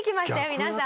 皆さん。